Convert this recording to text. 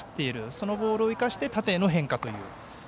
そのボールを生かして縦への変化という。